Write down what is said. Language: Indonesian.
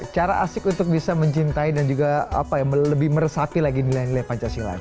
cara asik untuk bisa mencintai dan juga lebih meresaki lagi nilai nilai pancasila